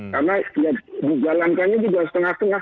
karena dijalankannya sudah setengah setengah